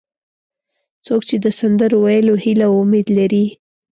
څوک چې د سندرو ویلو هیله او امید لري.